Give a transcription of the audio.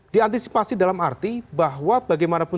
diantisipasi dalam arti bahwa bagaimanapun